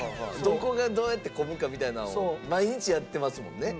どこがどうやって混むかみたいなのを毎日やってますもんね。